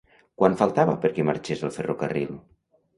Quant faltava perquè marxés el ferrocarril?